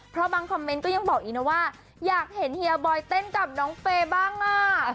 เพราะบางคอมเมนต์ก็ยังบอกอีกนะว่าอยากเห็นเฮียบอยเต้นกับน้องเฟย์บ้างอ่ะ